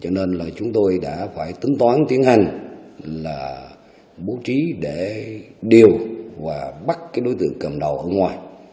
cho nên là chúng tôi đã phải tính toán tiến hành là bố trí để điều và bắt cái đối tượng cầm đầu ở ngoài